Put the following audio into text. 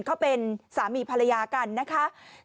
เขาเป็นสามีภรรยากันนะคะ